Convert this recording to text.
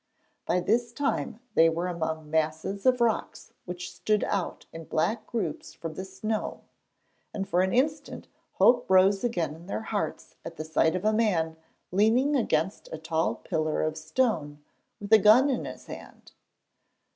By this time they were among masses of rocks which stood out in black groups from the snow, and for an instant hope rose again in their hearts at the sight of a man leaning against a tall pillar of stone, with a gun in his hand.